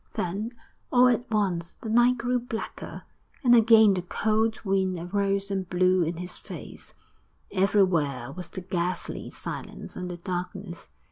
Then, all at once, the night grew blacker, and again the cold wind arose and blew in his face; everywhere was the ghastly silence and the darkness.